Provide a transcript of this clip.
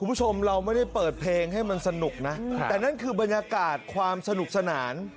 คุณผู้ชมเราไม่ได้เปิดเพลงให้มันสนุกนะแต่นั่นคือบรรยากาศความสนุกสนาน